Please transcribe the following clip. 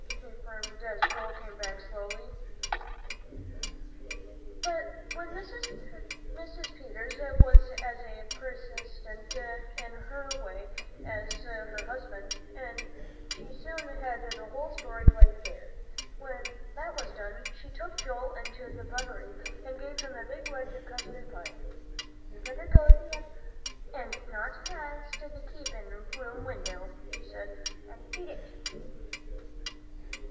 he fumed, as Joel came back slowly. [Illustration: "'HEY, WHAT D'YE WANT?' CRIED MR. PETERS"] But Mrs. Peters was as persistent in her way as her husband, and she soon had the whole story laid bare. When that was done, she took Joel into the buttery and gave him a big wedge of custard pie. "You better go t'other way, and not past the keepin' room window," she said, "and eat it."